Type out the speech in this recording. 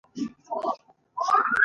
تمرکز مو پر نیمروز وکړ.